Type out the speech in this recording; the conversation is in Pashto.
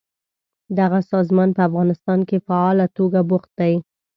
دغه سازمان په افغانستان کې فعاله توګه بوخت دی.